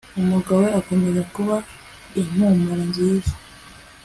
Umugabo we akomeza kuba impumuro nziza